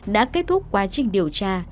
đã kết thúc quá trình điều tra